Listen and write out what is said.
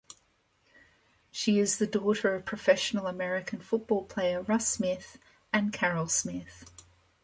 She is the daughter of professional American football player Russ Smith and Carol Smith.